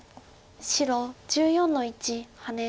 白１４の一ハネ。